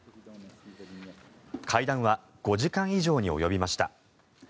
会談は５時間以上に及びました。